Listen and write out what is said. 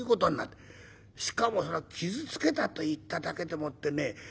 しかも傷つけたといっただけでもってね